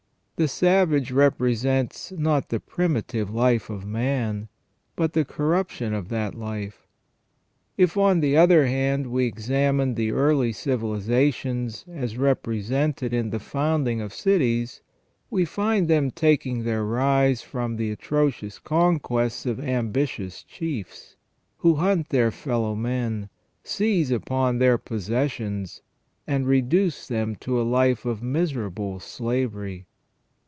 The savage represents not the primitive life of man, but the corruption of that life. If, on the other hand, we examine the early civilizations as repre sented in the founding of cities, we find them taking their rise from the atrocious conquests of ambitious chiefs, who hunt their fellow men, seize upon their possessions, and reduce them to a life of miserable slavery.